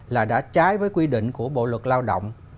là đã trái với quy định của bộ luật lao động